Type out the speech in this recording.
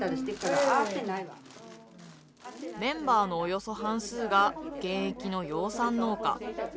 メンバーのおよそ半数が、現役の養蚕農家。